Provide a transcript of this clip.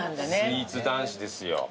スイーツ男子ですよ。